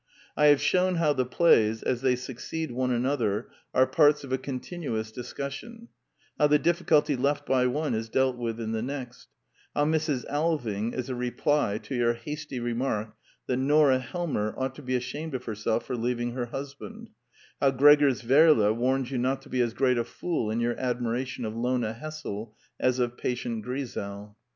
I have shewn how the plays, as they succeed one another, are parts of a continuous discussion; how the difficulty left by one is dealt with in the next; how Mrs. Alving is a reply to your hasty remark that Nora Helmer ought to be ashamed of herself for leaving her husband; how Gregers Werle warns you not to be as great a fool in your admiration of Lona Hessel as of Patient Grisel.